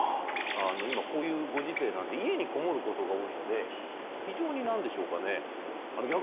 今こういうご時世なんで家にこもることが多いので非常に何でしょうかね